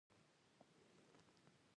د پخواني شوروي اتحاد له ړنګېدو